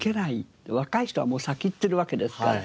若い人はもう先行ってるわけですから。